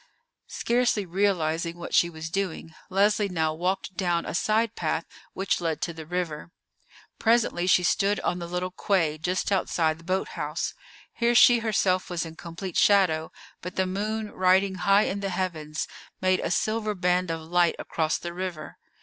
Scarcely realizing what she was doing, Leslie now walked down a side path which led to the river. Presently she stood on the little quay just outside the boat house. Here she herself was in complete shadow, but the moon riding high in the heavens made a silver band of light across the river.